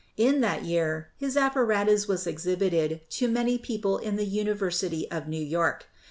In that year his apparatus was exhibited to many people in the University of New York.